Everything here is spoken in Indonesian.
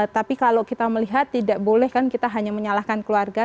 tapi kalau kita melihat tidak boleh kan kita hanya menyalahkan keluarga